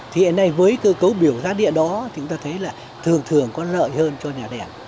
thì hiện nay với cơ cấu biểu giá điện đó thì chúng ta thấy là thường thường có lợi hơn cho nhà đèn